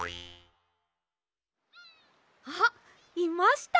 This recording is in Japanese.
あっいました！